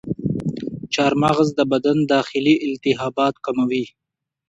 چارمغز د بدن داخلي التهابات کموي.